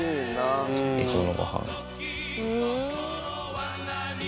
いつものごはん。